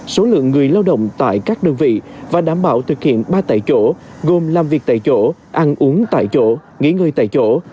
số lượng người lao động tại các đơn vị và đảm bảo thực hiện ba tại chỗ gồm làm việc tại chỗ ăn uống tại chỗ nghỉ ngơi tại chỗ